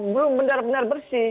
belum benar benar bersih